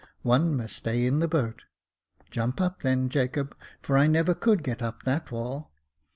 " One must stay in the boat." "Jump up, then, Jacob, for I never could get up that wall."